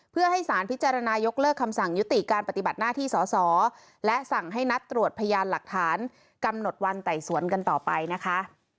เพื่อให้สารพิจารณายกเลิกคำสั่งยุติการปฏิบัติหน้าที่สอสอและสั่งให้นัดตรวจพยานหลักฐานกำหนดวันไต่สวนกันต่อไปนะคะ